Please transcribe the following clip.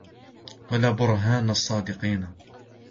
وَلَا بُرْهَانُ الصَّادِقِينَ